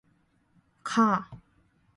가!